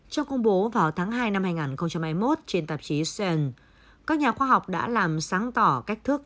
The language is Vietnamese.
trong công bố vào tháng hai năm hai nghìn hai mươi một trên tạp chí seng các nhà khoa học đã làm sáng tỏ cách thức